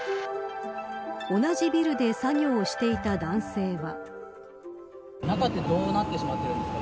同じビルで作業をしていた男性は。